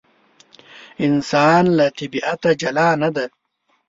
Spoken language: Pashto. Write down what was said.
انسان له طبیعته جلا نه دی.